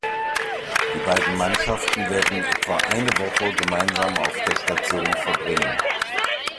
Die beiden Mannschaften werden etwa eine Woche gemeinsam auf der Station verbringen.